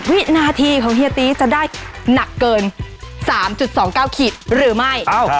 วินาทีของเฮียตีจะได้หนักเกิน๓๒๙ขีดหรือไม่